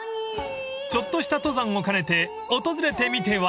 ［ちょっとした登山を兼ねて訪れてみては？］